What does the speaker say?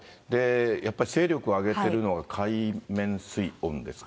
やっぱり、勢力を上げてるのが海面水温ですか。